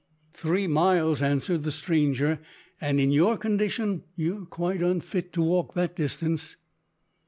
"Three miles," answered the stranger, "and in your condition you are quite unfit to walk that distance."